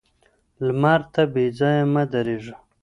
لمر ته بې ځايه مه درېږه